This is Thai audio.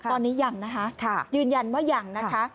ตอนนี้ยั่งยืนยันว่ายั่ง